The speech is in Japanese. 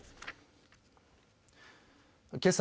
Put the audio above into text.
けさ